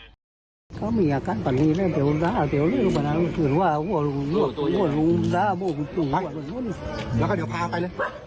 พ่อเข้าไปที่นี่